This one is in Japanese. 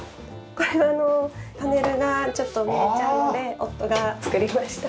これあのパネルがちょっと見えちゃうので夫が作りました。